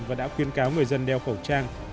và đã khuyên cáo người dân đeo khẩu trang